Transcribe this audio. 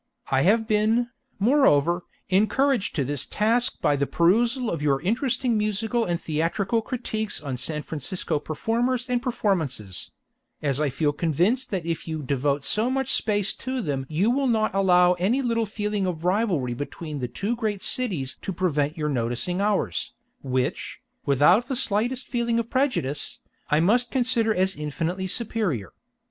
I have been, moreover, encouraged to this task by the perusal of your interesting musical and theatrical critiques on San Francisco performers and performances; as I feel convinced that if you devote so much space to them you will not allow any little feeling of rivalry between the two great cities to prevent your noticing ours, which, without the slightest feeling of prejudice, I must consider as infinitely superior.